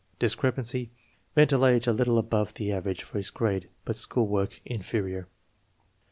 Discrepancy: Mental age a little above the average for his grade, but school work "inferior."